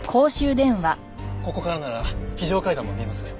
ここからなら非常階段も見えます。